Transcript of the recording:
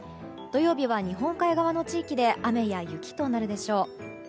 土曜日は日本海側の地域で雨や雪となるでしょう。